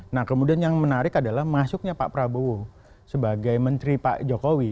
nah kemudian yang menarik adalah masuknya pak prabowo sebagai menteri pak jokowi